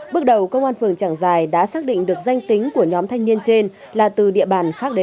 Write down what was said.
bước đầu công an phường trảng giải đã xác định được danh tính của nhóm thanh niên trên là từ địa bàn khác đến